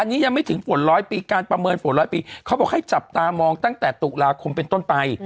อันนี้ยังไม่ถึงฝนร้อยปีการประเมินฝนร้อยปีเขาบอกให้จับตามองตั้งแต่ตุลาคมเป็นต้นไป